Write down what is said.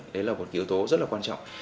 đấy là một yếu tố rất là quan trọng